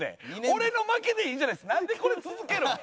俺の負けでいいじゃないなんでこれ続けるん？